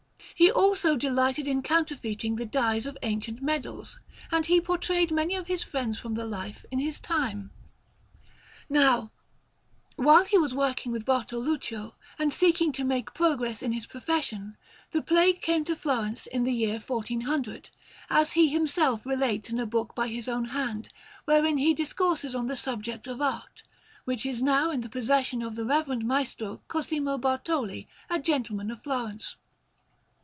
He also delighted in counterfeiting the dies of ancient medals, and he portrayed many of his friends from the life in his time. Now, while he was working with Bartoluccio and seeking to make progress in his profession, the plague came to Florence in the year 1400, as he himself relates in a book by his own hand wherein he discourses on the subject of art, which is now in the possession of the Reverend Maestro Cosimo Bartoli, a gentleman of Florence.